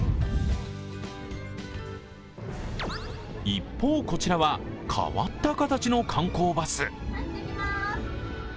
一方、こちらは変わった形の観光バス。